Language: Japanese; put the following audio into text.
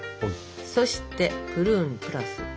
そしてプルーンプラス